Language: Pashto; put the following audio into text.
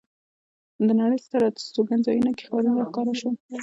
د نړۍ ستر استوګنځایونو کې ښارونه را ښکاره شول.